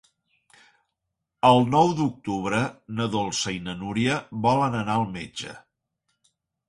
El nou d'octubre na Dolça i na Núria volen anar al metge.